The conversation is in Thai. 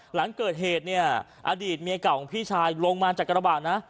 หลังเกิดเหตุเนี่ยอดีตเมียเก่าของพี่ชายลงมาจากกระบาดนะ